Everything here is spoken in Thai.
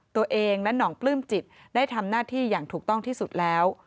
ตัวเองและหนองปลื้มจิตได้ทำหน้าที่อย่างถูกต้องที่สุดแล้ว